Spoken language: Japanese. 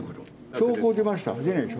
証拠出ました？